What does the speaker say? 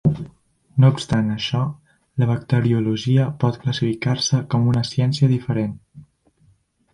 No obstant això, la bacteriologia pot classificar-se com una ciència diferent.